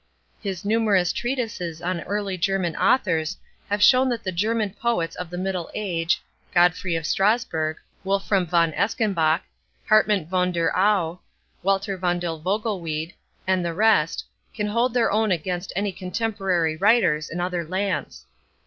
His numerous treatises on early German authors have shown that the German poets of the Middle Age, Godfrey of Strasburg, Wolfram von Eschenbach, Hartman von der Aue, Walter von der Vogelweide, and the rest, can hold their own against any contemporary writers in other lands.